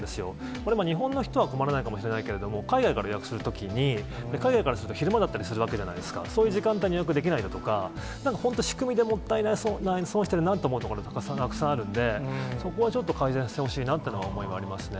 これも日本の人は困らないかもしれないけど、海外から予約するときに、海外からすると、昼間だったりするわけじゃないですか、そういう時間帯に予約できないだとか、なんか本当仕組みでもったいない、損しているなと思うところ、たくさんあるんで、そこはちょっと改善してほしいなっていう思いはありますね。